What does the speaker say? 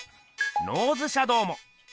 ノーズシャドウも。